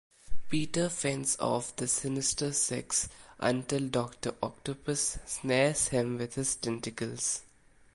Peter fends off the Sinister Six until Doctor Octopus snares him with his tentacles.